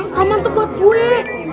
roman tuh buat gue